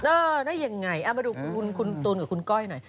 เออน่าจะยังไงเอ้ามาดูคุณตูนกับคุณก้อยหน่อย